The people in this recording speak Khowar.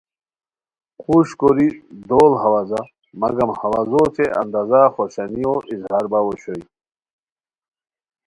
قوژد کوری دوڑ ہوازا مگم ہوازو اوچے انداز ا خوشانیو اظہار باؤ اوشوئے